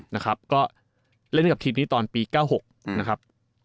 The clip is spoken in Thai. นะครับก็เล่นกับทีมนี้ตอนปี๙๖นะครับ